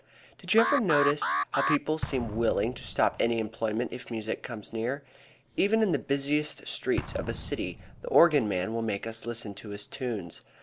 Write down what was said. Did you ever notice how people seem willing to stop any employment if music comes near? Even in the busiest streets of a city the organ man will make us listen to his tunes.